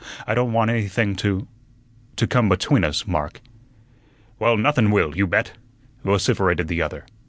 "I don' want anything to to come between us, Mark." "Well, nothun will, you bet!" vociferated the other.